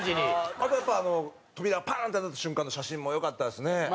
あとやっぱ扉パーンッてなった瞬間の写真もよかったですね。